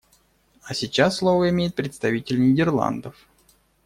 А сейчас слово имеет представитель Нидерландов.